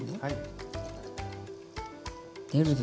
はい。